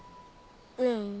うん。